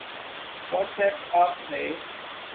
what's app آپ نئے